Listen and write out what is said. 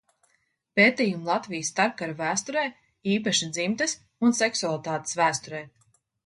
Pētījumi Latvijas starpkaru vēsturē, īpaši dzimtes un seksualitātes vēsturē.